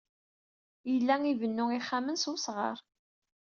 Yella ibennu ixxamen s wesɣar.